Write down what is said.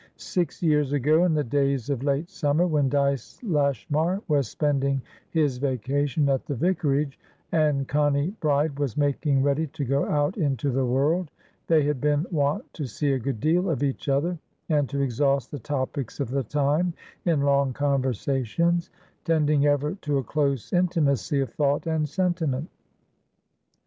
Six years ago, in the days of late summer, when Dyce Lashmar was spending his vacation at the vicarage, and Connie Bride was making ready to go out into the world, they had been wont to see a good deal of each other, and to exhaust the topics of the time in long conversations, tending ever to a closer intimacy of thought and sentiment.